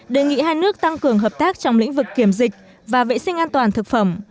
đề nghị hai nước tăng cường hợp tác trong lĩnh vực kiểm dịch và vệ sinh an toàn thực phẩm